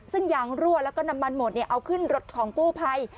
ซึ่งยางรั่วแล้วก็นำมันหมดเอาขึ้นรถของกู้ภัย